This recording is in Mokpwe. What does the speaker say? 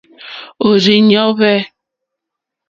Òrzìɲɔ́ hwɛ̂.